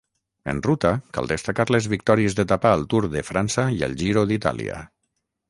En ruta cal destacar les victòries d'etapa al Tour de França i al Giro d'Itàlia.